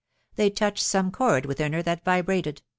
They touched some chord within her that vibrated